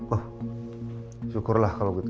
oh syukurlah kalau gitu